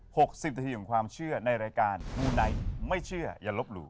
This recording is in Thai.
หกสิบนาทีของความเชื่อในรายการมูไนท์ไม่เชื่ออย่าลบหลู่